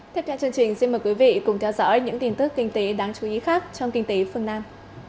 thế cho chương trình xin mời quý vị cùng theo dõi những tin tức kinh tế đáng chú ý khác trong kinh tế phương nam